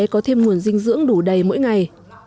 có thêm nguồn dinh dưỡng đủ đầy mỗi ngày